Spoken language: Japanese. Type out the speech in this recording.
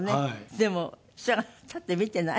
でも人が立って見てない？